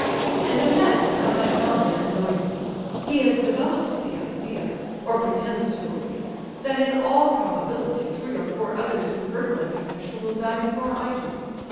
"And imagine how that Gania annoys me! He has developed the idea—or pretends to believe—that in all probability three or four others who heard my confession will die before I do.